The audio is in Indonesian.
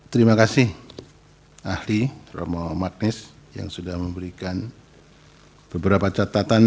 terima kasih ahli romo magnes yang sudah memberikan beberapa catatan